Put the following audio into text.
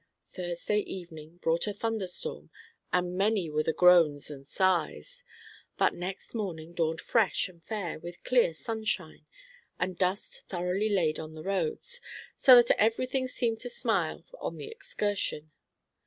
Thursday evening brought a thunder storm, and many were the groans and sighs; but next morning dawned fresh and fair, with clear sunshine, and dust thoroughly laid on the roads, so that every thing seemed to smile on the excursion.